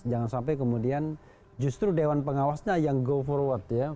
jangan sampai kemudian justru dewan pengawasnya yang go forward ya